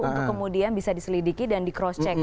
untuk kemudian bisa diselidiki dan di cross check